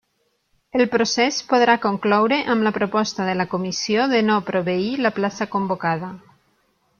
El procés podrà concloure amb la proposta de la comissió de no proveir la plaça convocada.